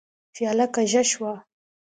پياله کږه شوه.